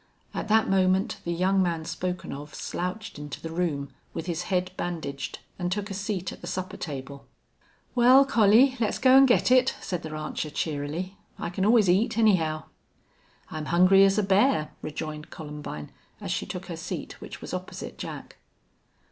At that moment the young man spoken of slouched into the room, with his head bandaged, and took a seat at the supper table. "Wal, Collie, let's go an' get it," said the rancher, cheerily. "I can always eat, anyhow." "I'm hungry as a bear," rejoined Columbine, as she took her seat, which was opposite Jack.